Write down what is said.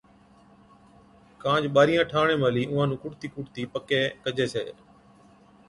ڪان جو ٻارِيان ٺاهوَڻي مهلِي اُونهان نُون ڪوٺتِي ڪُوٺتِي پڪَي ڪجَي ڇَي،